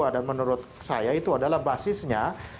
menurut saya itu adalah basisnya